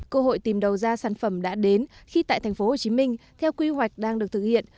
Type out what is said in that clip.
cơ hội tìm đầu ra sản phẩm đã đến khi tại tp hcm theo quy hoạch đang được thực hiện